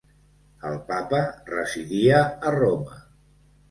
El Papa residia a Roma.